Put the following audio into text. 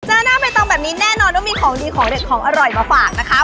หน้าใบตองแบบนี้แน่นอนว่ามีของดีของเด็ดของอร่อยมาฝากนะคะ